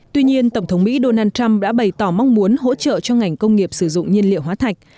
tuy nhiên tổng thống mỹ donald trump đã bày tỏ mong muốn hỗ trợ cho ngành công nghiệp sử dụng nhiên liệu hóa thạch